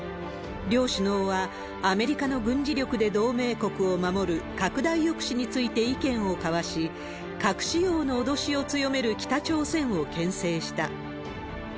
両首脳は、アメリカの軍事力で同盟国を守る拡大抑止について意見を交わし、核使用の脅しを強める北朝鮮をけん制した。